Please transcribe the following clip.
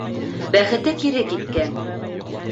Бәхете кире киткән.